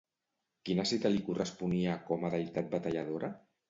Quina cita li corresponia com a deïtat batalladora?